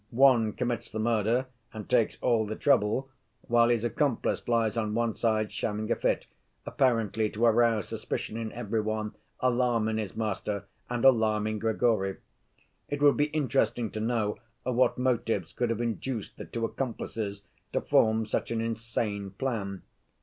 One commits the murder and takes all the trouble while his accomplice lies on one side shamming a fit, apparently to arouse suspicion in every one, alarm in his master and alarm in Grigory. It would be interesting to know what motives could have induced the two accomplices to form such an insane plan.